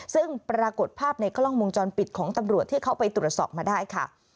ซึ่งปรากฏภาพในกล้องวงจรปิดของตำรวจที่เข้าไปตรวจสอบมาได้ค่ะ